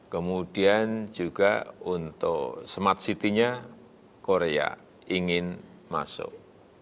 kemudian juga untuk smart city nya korea ingin masuk